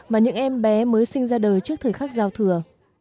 và những em bé mới sinh ra đời trước thời khắc giao thừa